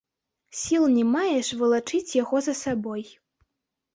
Сіл не маеш валачыць яго за сабой.